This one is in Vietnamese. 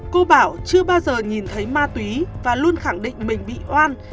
cô bảo chưa bao giờ nhìn thấy ma túy và luôn khẳng định mình bị oan